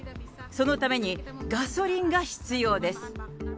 そのためにガソリンが必要です。